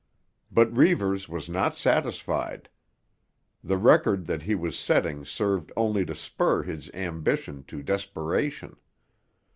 But Reivers was not satisfied. The record that he was setting served only to spur his ambition to desperation.